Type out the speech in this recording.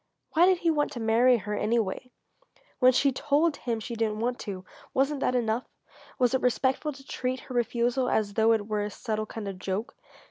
Why did he want to marry her, anyway? When she told him she didn't want to wasn't that enough? Was it respectful to treat her refusal as though it were a subtle kind of joke?